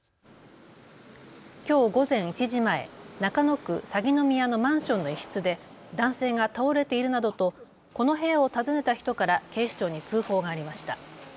きょう午前１時前、中野区鷺宮のマンションの一室で男性が倒れているなどとこの部屋を訪ねた人から警視庁に通報がありました。